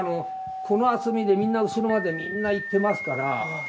この厚みでみんな後ろまでいってますから。